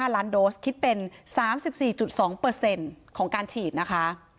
๕ล้านโดสคิดเป็น๓๔๒ของการฉีดนะคะ